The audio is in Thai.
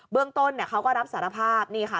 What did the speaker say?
เรื่องต้นเขาก็รับสารภาพนี่ค่ะ